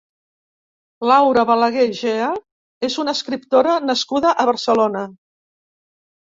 Laura Balagué Gea és una escriptora nascuda a Barcelona.